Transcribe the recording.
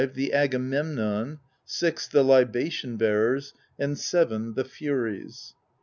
The Agamemnon. < VI. The Libation Bearers. ' VII. The Furies.